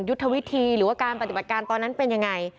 ยุทธวิธีหรือว่าการปฏิบัติการตอนนั้นเป็นยังไง